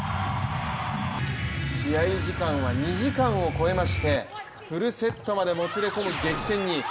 試合時間は２時間を超えましてフルセットまでもつれ込む激戦に。